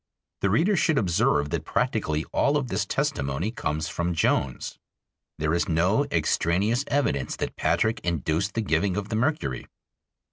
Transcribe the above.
The reader should observe that practically all of this testimony comes from Jones. There is no extraneous evidence that Patrick induced the giving of the mercury.